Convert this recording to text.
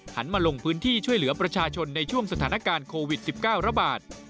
มาลงพื้นที่ช่วยเหลือประชาชนในช่วงสถานการณ์โควิด๑๙ระบาด